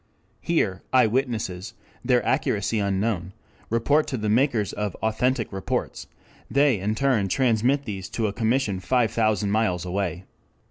Here eyewitnesses, their accuracy unknown, report to the makers of 'authentic reports'; they in turn transmit these to a commission five thousand miles away.